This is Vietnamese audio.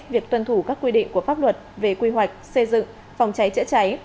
việc tuân thủ các quy định của pháp luật về quy hoạch xây dựng phòng cháy chữa cháy